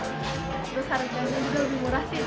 terus harganya juga lebih murah sih